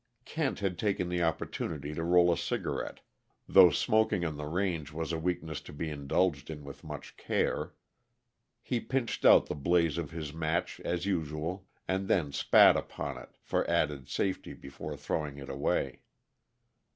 Kent had taken the opportunity to roll a cigarette, though smoking on the range was a weakness to be indulged in with much care. He pinched out the blaze of his match, as usual, and then spat upon it for added safety before throwing it away.